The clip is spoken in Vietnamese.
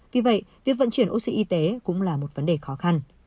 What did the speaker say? vì vậy việc vận chuyển oxy y tế cũng là một vấn đề khó khăn